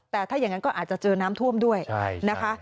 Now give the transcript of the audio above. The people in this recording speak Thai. ถ้ายังงั้นอาจจะเจอน้ำท่วมด้วยนะคะ